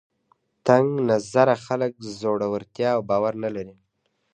تنګ نظره خلک زړورتیا او باور نه لري